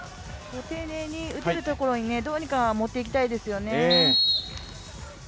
丁寧に打てるところにどうにか持っていきたいですよね。